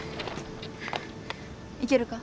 いけるか？